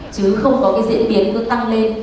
chứ không có cái diễn biến cứ tăng lên